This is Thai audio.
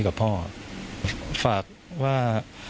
ก็ไม่ได้คิดอะไรมาก